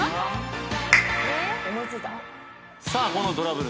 さあこのトラブル。